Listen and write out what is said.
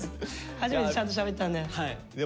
初めてちゃんとしゃべったんで。